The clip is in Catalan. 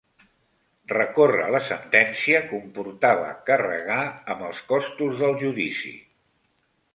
Recórrer la sentència comportava carregar amb els costos del judici